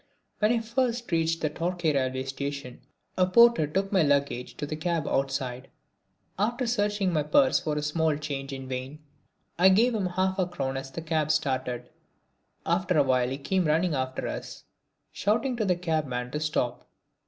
When I first reached the Torquay railway station a porter took my luggage to the cab outside. After searching my purse for small change in vain, I gave him half a crown as the cab started. After a while he came running after us, shouting to the cabman to stop.